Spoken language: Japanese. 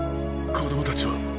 子供たちは？